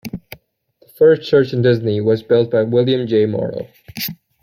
The first church in Disney was built by William J Morrow.